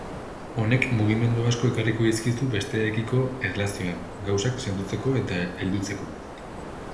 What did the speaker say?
Honek mugimendu asko ekarriko dizkizu besteekiko erlazioan, gauzak sendotzeko eta heldutzeko.